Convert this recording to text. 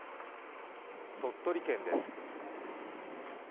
鳥取県です。